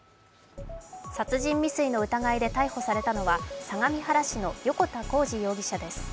殺人未遂の疑いで逮捕されたのは相模原市の横田光司容疑者です。